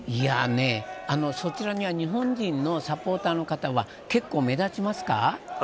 そちらには日本人のサポーターの方は結構、目立ちますか。